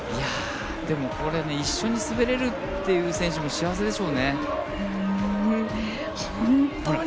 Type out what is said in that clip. でも、一緒に滑れるという選手も幸せでしょうね。